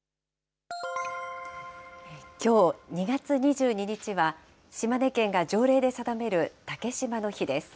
きょう２月２２日は、島根県が条例で定める竹島の日です。